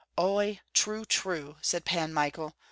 "Oi! true, true!" said Pan Michael.